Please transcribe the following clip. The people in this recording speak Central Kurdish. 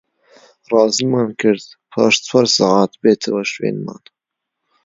ڕازیمان کرد پاش چوار سەعات بێتەوە شوێنمان